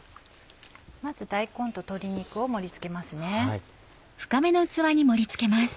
まず大根と鶏肉を盛り付けますね。